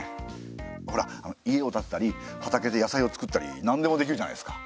ほら家を建てたり畑で野菜を作ったり何でもできるじゃないですか。